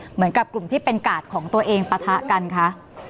เหมือนกับกลุ่มที่เป็นกาดของตัวเองปะทะกันคะ